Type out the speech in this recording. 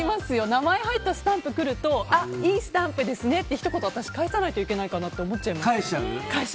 名前入ったスタンプ来るとあ、いいスタンプですねってひと言返さないといけないかなと思います。